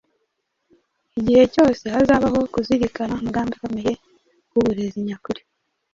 Igihe cyose hazabaho kuzirikana umugambi ukomeye w’uburezi nyakuri,